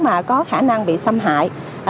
mà có khả năng bị xâm hại